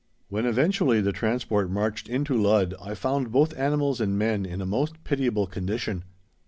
When eventually the transport marched in to Ludd I found both animals and men in a most pitiable condition.